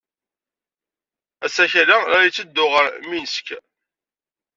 Asakal-a la yetteddu ɣer Minsk.